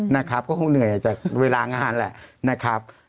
นะครับก็คงเหนื่อยจากเวลางานแหละนะครับ